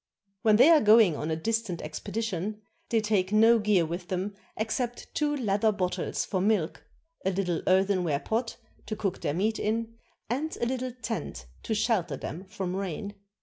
When they are going on a distant expedition, 8i CHINA they take no gear with them except two leather bottles for milk, a little earthenware pot to cook their meat in, and a little tent to shelter them from rain.